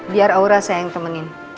biar aura saya yang temenin